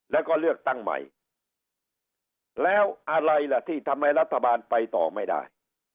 แล้วก็เลือกตั้งใหม่แล้วอะไรล่ะที่ทำให้รัฐบาลไปต่อไม่ได้